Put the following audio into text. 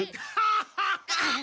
ハッハハハ！